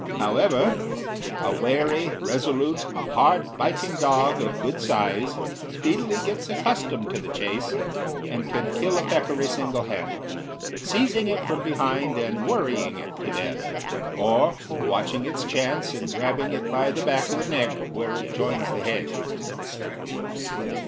However, a wary, resolute, hard biting dog of good size speedily gets accustomed to the chase, and can kill a peccary single handed, seizing it from behind and worrying it to death, or watching its chance and grabbing it by the back of the neck where it joins the head.